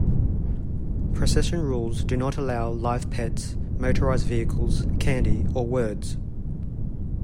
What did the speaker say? Procession rules do not allow live pets, motorized vehicles, candy, or words.